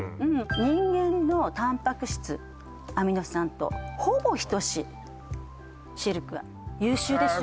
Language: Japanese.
人間のタンパク質アミノ酸とほぼ等しいシルクは優秀でしょ？